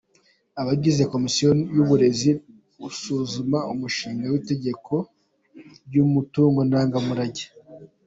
Abagize komisiyo y’uburezi basuzuma umushinga w’itegeko ry’umutungo ndangamurage.